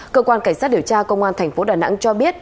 cơ quan cảnh sát điều tra công an thành phố đà nẵng cho biết